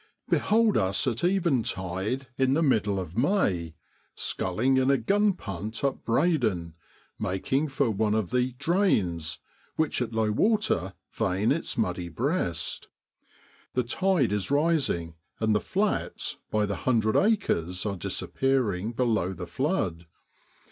o o o c .'". o o Behold us at eventide, in the middle of May, sculling in a gun punt up Brey don, making for one of the ' drains ' which at low water vein its muddy breast. The tide is rising, and the * flats ' by the hundred acres are disappearing below the flood.